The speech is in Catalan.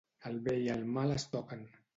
El bé i el mal es toquen.